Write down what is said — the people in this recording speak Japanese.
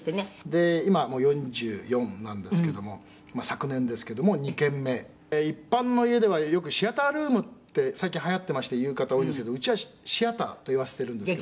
「で今もう４４なんですけどもまあ昨年ですけども２軒目」「一般の家ではよくシアタールームって最近流行っていまして言う方多いんですけどうちは“シアター”と言わせているんですけども」